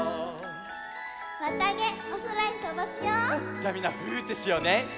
じゃあみんな「ふぅ」ってしようね！